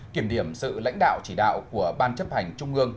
kiểm điểm sự lãnh đạo chỉ đạo của ban chấp hành trung ương